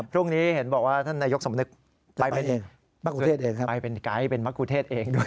พรุ่งนี้เห็นบอกว่าท่านนายกสมนึกไปเป็นไกด์เป็นมะกุเทศเองด้วย